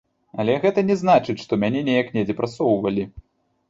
Але гэта не значыць, што мяне неяк недзе прасоўвалі.